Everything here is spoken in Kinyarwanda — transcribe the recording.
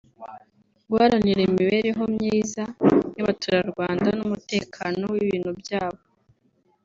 guharanira imibereho myiza y’abaturarwanda n’umutekano w’ibintu byabo